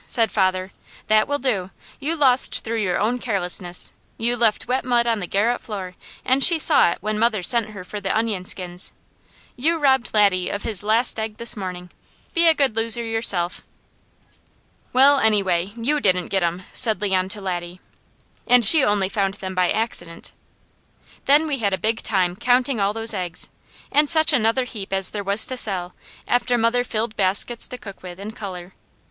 said father. "That will do. You lost through your own carelessness. You left wet mud on the garret floor, and she saw it when mother sent her for the onion skins. You robbed Laddie of his last egg this morning; be a good loser yourself!" "Well, anyway, you didn't get 'em," said Leon to Laddie. "And she only found them by accident!" Then we had a big time counting all those eggs, and such another heap as there was to sell, after mother filled baskets to cook with and colour.